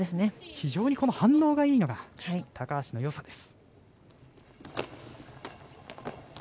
非常に反応がいいのが高橋のよさです。